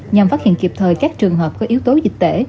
nhằm phát hiện kịp thời các trường hợp có yếu tố dịch tễ